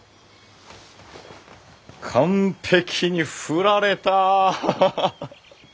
完璧に振られた。